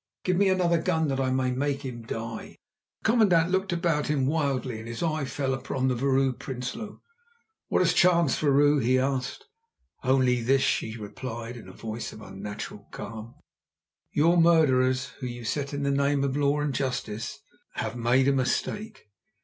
Give me another gun that I may make him die." The commandant looked about him wildly, and his eye fell upon the Vrouw Prinsloo. "What has chanced, vrouw?" he asked. "Only this," she replied in a voice of unnatural calm. "Your murderers whom you set on in the name of law and justice have made a mistake.